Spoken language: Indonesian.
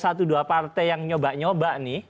ada partai yang nyoba nyoba nih